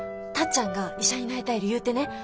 タッちゃんが医者になりたい理由ってね